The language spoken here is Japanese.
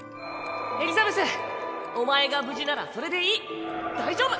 エリザベスお前が無事ならそれでいい大丈夫。